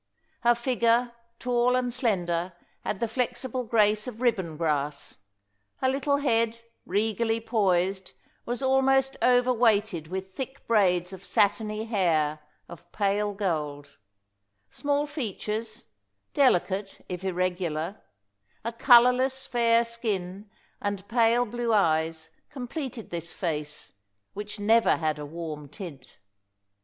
Her figure, tall and slender, had the flexible grace of ribbon grass; her little head, regally poised, was almost overweighted with thick braids of satiny hair of pale gold; small features, delicate, if irregular, a colourless, fair skin, and pale blue eyes, completed this face, which never had a warm tint.